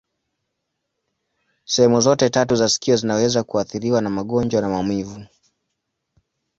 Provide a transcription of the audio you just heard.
Sehemu zote tatu za sikio zinaweza kuathiriwa na magonjwa na maumivu.